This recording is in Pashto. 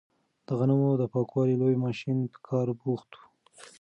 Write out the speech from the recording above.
د غنمو د پاکولو لوی ماشین په کار بوخت و.